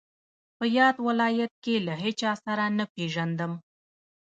په یاد ولایت کې له هیچا سره نه پېژندم.